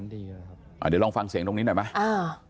เดี๋ยวลองฟังเสียงตรงนี้หน่อยไหมอ่า